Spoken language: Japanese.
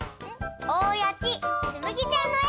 おおやちつむぎちゃんのえ。